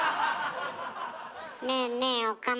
ねえねえ岡村。